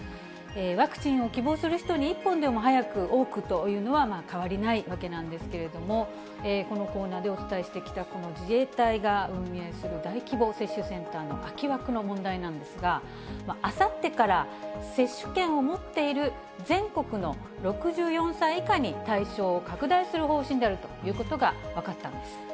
ワクチンを希望する人に一本でも早く、多くというのは変わりないわけなんですけれども、このコーナーでお伝えしてきた、この自衛隊が運営する大規模接種センターの空き枠の問題なんですが、あさってから接種券を持っている全国の６４歳以下に対象を拡大する方針であるということが分かったんです。